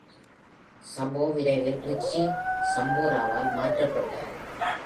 சபோ விரைவில் ரிச்சி சம்போராவால் மாற்றப்பட்டார்.